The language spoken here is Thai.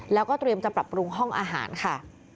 แล้วก็เตรียมจะปรับปรุงห้องอาหารค่ะ